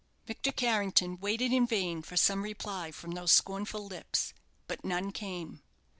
Victor Carrington waited in vain for some reply from those scornful lips; but none came.